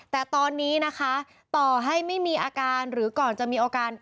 แต่ตอนนี้นะคะต่อให้ไม่มีอาการหรือก่อนจะมีอาการ